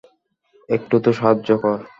একটু তো সাহায্য কর।